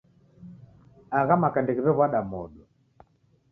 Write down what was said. Agha maka ndeghiw'ew'wada modo.